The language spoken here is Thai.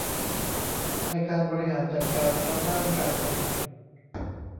ในการบริหารจัดการทั้งด้านการผลิต